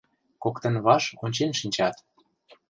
Коктын ваш ончен шинчат.